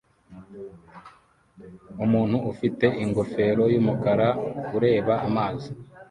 Umuntu ufite ingofero yumukara ureba amazi